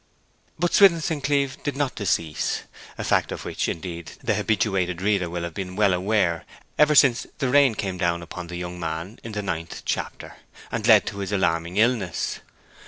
But Swithin St. Cleeve did not decease, a fact of which, indeed, the habituated reader will have been well aware ever since the rain came down upon the young man in the ninth chapter, and led to his alarming illness.